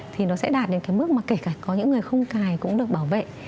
thì nó sẽ đạt đến mức kể cả có những người không cài cũng được bảo vệ